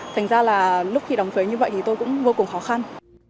thành ra là lúc khi đóng thuế như vậy thì tôi cũng vô cùng khó khăn